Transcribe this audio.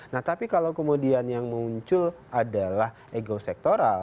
nah tapi kalau kemudian yang muncul adalah ego sektoral